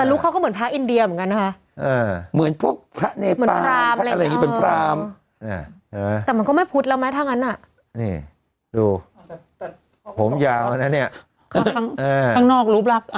แต่ลูกเขาก็เหมือนพระอินเดียเหมือนกันนะคะ